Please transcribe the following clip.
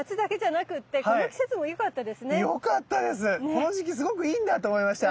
この時期すごくいいんだって思いました。